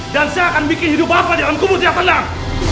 dan saya akan bikin hidup bapak di dalam kubur siap tenang